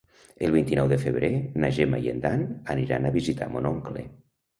El vint-i-nou de febrer na Gemma i en Dan aniran a visitar mon oncle.